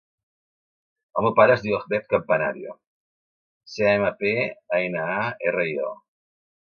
El meu pare es diu Ahmed Campanario: ce, a, ema, pe, a, ena, a, erra, i, o.